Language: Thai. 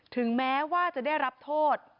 ถึงแม้ว่าจะได้รับโทษ